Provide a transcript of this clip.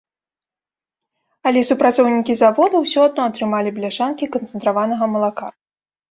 Але супрацоўнікі завода ўсё адно атрымалі бляшанкі канцэнтраванага малака.